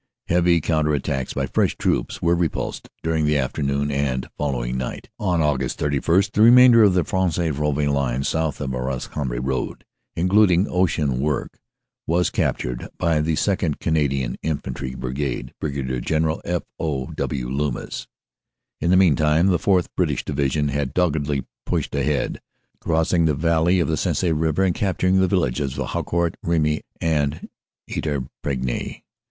Heavy counter attacks by fresh troops were repulsed during the afternoon and following night. "On Aug. 31 the remainder of the Fresnes Rouvroy line south of the Arras Cambrai road, including Ocean Work, was captured by the 2nd. Canadian Infantry Brigade (Brig. Gen eral F. O. W. Loomis) . OPERATIONS : AUG. 29 3 1 145 "In the meantime the 4th. (British) Division had doggedly pushed ahead, crossing the valley of the Sensee river and cap turing the villages of Haucourt, Remy and Eterpigny.